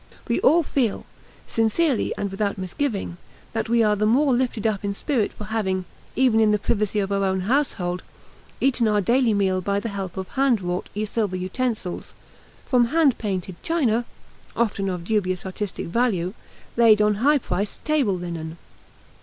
We all feel, sincerely and without misgiving, that we are the more lifted up in spirit for having, even in the privacy of our own household, eaten our daily meal by the help of hand wrought silver utensils, from hand painted china (often of dubious artistic value) laid on high priced table linen.